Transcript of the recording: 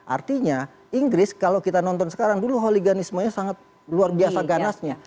artinya inggris kalau kita nonton sekarang dulu holiganismenya sangat luar biasa ganasnya